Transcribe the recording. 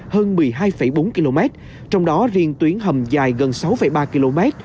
hầm có tổng chiều dài toàn tuyến hơn một mươi hai bốn km trong đó riêng tuyến hầm dài gần sáu ba km